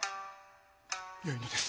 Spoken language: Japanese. よいのです。